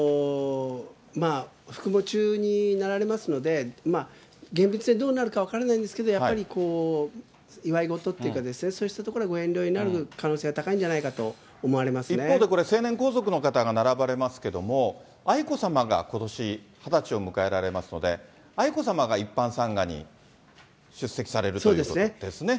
服喪中になられますので、現実はどうなるか分からないですけど、やっぱり祝い事っていうか、そうしたところはご遠慮になる可能性が高いんじゃないかと思われ一方でこれ、成年皇族の方が並ばれますけども、愛子さまがことし２０歳を迎えられますので、愛子さまが一般参賀に出席されるということですね。